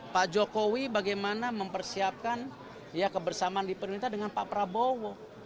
pak jokowi bagaimana mempersiapkan kebersamaan di pemerintah dengan pak prabowo